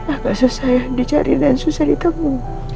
agak susah ya dicari dan susah ditegun